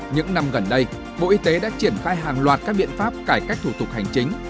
những năm gần đây bộ y tế đã triển khai hàng loạt các biện pháp cải cách thủ tục hành chính